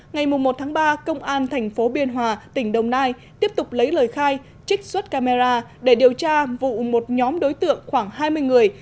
ngày một ba công an thành phố biên hòa tỉnh đồng nai tiếp tục lấy lời khai trích xuất camera để điều tra vụ một nhóm đối tượng khoảng hai mươi người